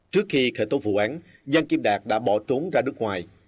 trước khi khởi tố vụ án giang kim đạt đã bỏ trốn ra nước ngoài